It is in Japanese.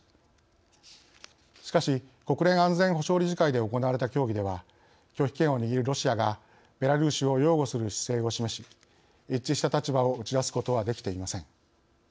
しかし国連安全保障理事会で行われた協議では拒否権を握るロシアがベラルーシを擁護する姿勢を示し一致した立場を打ち出すことはできていません。